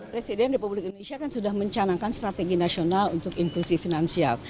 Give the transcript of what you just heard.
presiden republik indonesia kan sudah mencanangkan strategi nasional untuk inklusi finansial